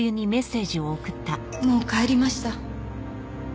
「もう帰りました」